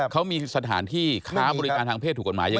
เขามีสถานที่ค้าบริการทางเพศถูกกฎหมายยังไง